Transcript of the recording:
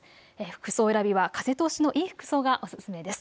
服装選びは風通しのいい服装がおすすめです。